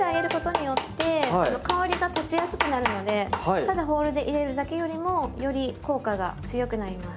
ただホールで入れるだけよりもより効果が強くなります。